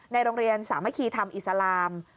โรงเรียนสามัคคีธรรมอิสลาม